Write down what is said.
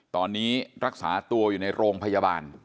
ตอนนี้รักษาตัวอยู่ในโรงพยาบาล